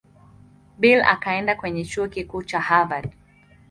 Bill akaenda kwenye Chuo Kikuu cha Harvard.